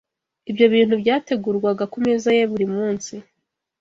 Ibyo bintu byategurwaga ku meza ye buri munsi.